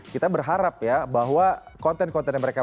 kita berharap ya